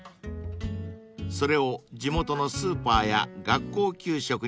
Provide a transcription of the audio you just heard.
［それを地元のスーパーや学校給食に提供］